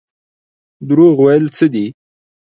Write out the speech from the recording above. دروغ ویل څه دي؟